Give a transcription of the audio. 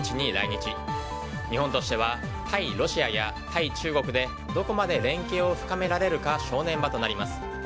日本としては対ロシアや対中国でどこまで連携を深められるか正念場となります。